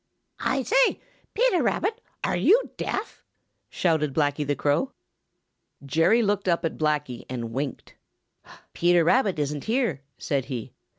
"I say, Peter Rabbit, are you deaf?" shouted Blacky the Crow. Jerry Muskrat looked up at Blacky and winked. "Peter Rabbit isn't here," said he.